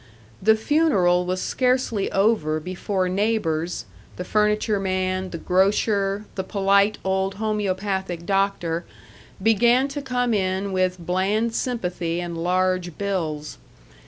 The funeral was scarcely over before neighbors the furniture man, the grocer, the polite old homeopathic doctor began to come in with bland sympathy and large bills.